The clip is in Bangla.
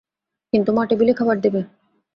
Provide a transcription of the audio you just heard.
কিন্তু মা, টেবিলে খাবার দেবে।